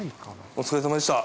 お疲れさまでした。